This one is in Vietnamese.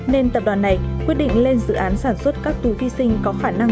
nên tập đoàn này quyết định sử dụng nó